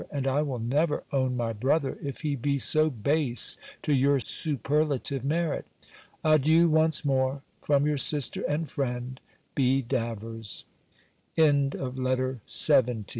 And I will never own my brother, if he be so base to your superlative merit. Adieu once more, from your sister and friend, B. DAVERS. LETTER LXXI MY DEARES